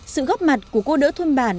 sự góp mặt của cô đỡ thôn bản